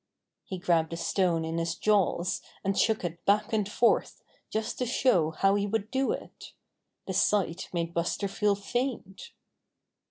He grabbed a stone in his jaws and shook it back and forth just to show how he would do it. The sight made Buster feel faint.